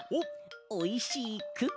おいしいクッキー！